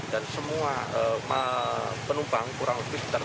dan semua penumpang kurang lebih sekitar empat puluh